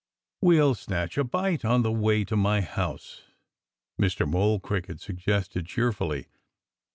"We'll snatch a bite on the way to my house," Mr. Mole Cricket suggested cheerfully.